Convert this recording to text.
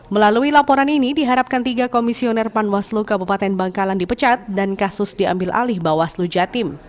melalui laporan ini diharapkan tiga komisioner panwaslu kabupaten bangkalan dipecat dan kasus diambil alih bawaslu jatim